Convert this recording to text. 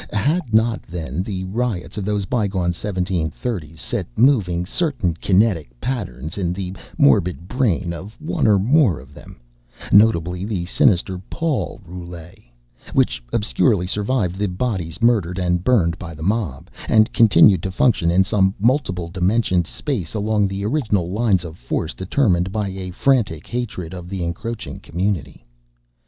Had not, then, the riots of those bygone seventeen thirties set moving certain kinetic patterns in the morbid brain of one or more of them notably the sinister Paul Roulet which obscurely survived the bodies murdered and buried by the mob, and continued to function in some multiple dimensioned space along the original lines of force determined by a frantic hatred of the encroaching community?